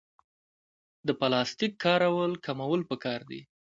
د پلاستیک کارول کمول پکار دي